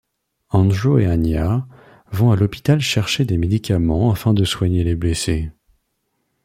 Andrew et Anya vont à l'hôpital chercher des médicaments afin de soigner les blessées.